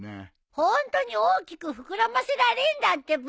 ホントに大きく膨らませられんだってば！